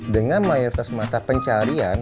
dengan mayoritas mata pencarian